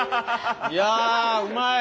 いやあうまい！